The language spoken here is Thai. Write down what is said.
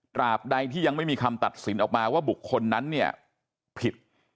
บใดที่ยังไม่มีคำตัดสินออกมาว่าบุคคลนั้นเนี่ยผิด